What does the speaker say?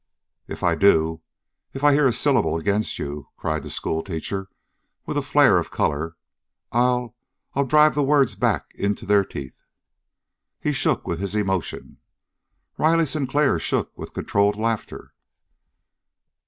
"If I do if I hear a syllable against you," cried the schoolteacher with a flare of color, "I'll I'll drive the words back into their teeth!" He shook with his emotion; Riley Sinclair shook with controlled laughter.